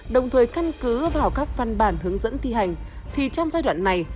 đồng thời căn cứ vào các văn bản hướng dẫn thi hành thì trong giai đoạn này